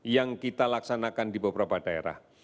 yang kita laksanakan di beberapa daerah